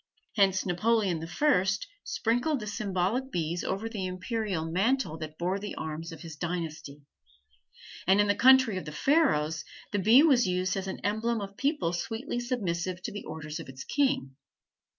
Hence Napoleon the First sprinkled the symbolic bees over the imperial mantle that bore the arms of his dynasty; and in the country of the Pharaohs the bee was used as the emblem of a people sweetly submissive to the orders of its king.